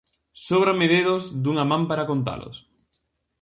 Sóbranme dedos dunha man para contalos.